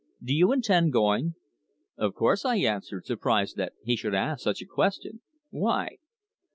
"Do you intend going?" "Of course," I answered, surprised that he should ask such a question. "Why?"